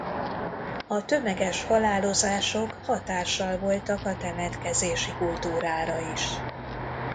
A tömeges halálozások hatással voltak a temetkezési kultúrára is.